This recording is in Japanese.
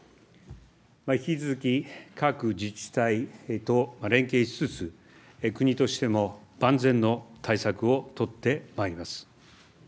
引き続き、各自治体と連携しつつ、国としても万全の対策を取ってまいります。